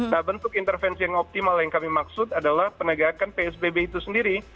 nah bentuk intervensi yang optimal yang kami maksud adalah penegakan psbb itu sendiri